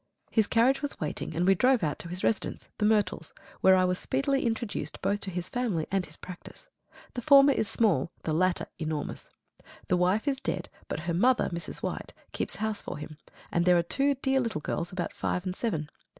His carriage was waiting, and we drove out to his residence, The Myrtles, where I was speedily introduced both to his family and his practice. The former is small, and the latter enormous. The wife is dead; but her mother, Mrs. White, keeps house for him; and there are two dear little girls, about five and seven.